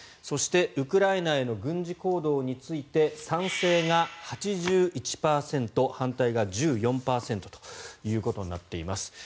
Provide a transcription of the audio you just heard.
そしてウクライナへの軍事行動について賛成が８１％反対が１４％ということになっています。